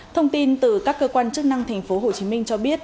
thông tin từ các cơ quan chức năng tp hcm cho biết